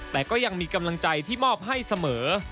แต่ก็ยังมีกำลังใจที่มอบให้เสมอ